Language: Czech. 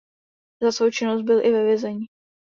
Za svou činnost byl i ve vězení.